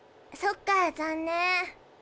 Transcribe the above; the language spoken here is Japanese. そっか残念。